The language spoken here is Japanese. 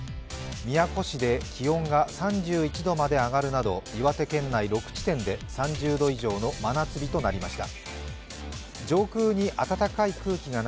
宮古市で気温が３１度まで上がるなど岩手県内６地点で３０度以上の真夏日となりました。